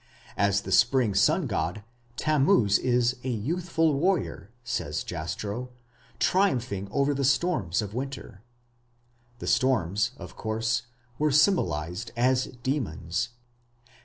As the spring sun god, Tammuz is "a youthful warrior", says Jastrow, "triumphing over the storms of winter". The storms, of course, were symbolized as demons.